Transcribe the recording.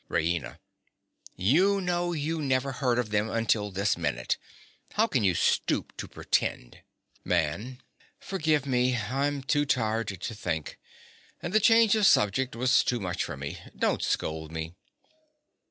RAINA. You know you never heard of them until this minute. How can you stoop to pretend? MAN. Forgive me: I'm too tired to think; and the change of subject was too much for me. Don't scold me.